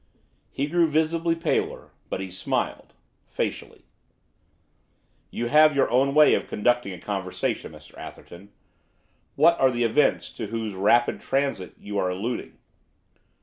He grew visibly paler but he smiled facially. 'You have your own way of conducting a conversation, Mr Atherton. What are the events to whose rapid transit you are alluding?